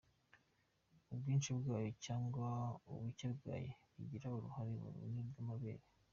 Ubwinshi bwayo cyangwa ubuke bwayo bigira uruhare mu bunini bw’amabere.